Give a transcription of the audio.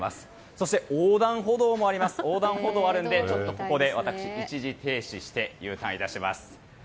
そして横断歩道があるので私、一時停止してＵターンします。